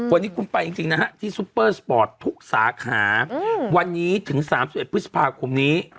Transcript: วันนี้คุณไปจริงนะฮะที่ซุปเปอร์สปอร์ตทุกสาขาวันนี้ถึง๓๑พฤษภาคมนี้